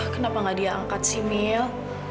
kenapa gak dia angkat sih mil